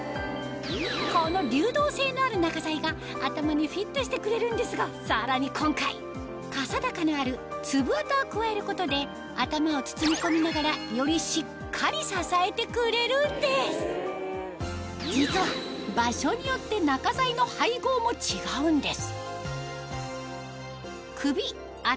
この流動性のある中材が頭にフィットしてくれるんですがさらに今回かさ高のあるつぶわたを加えることで頭を包み込みながらよりしっかり支えてくれるんです実は場所によって中材の配合も違うんです首頭